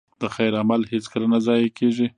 د خیر عمل هېڅکله نه ضایع کېږي.